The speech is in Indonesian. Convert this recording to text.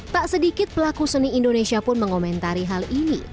tak sedikit pelaku seni indonesia pun mengomentari hal ini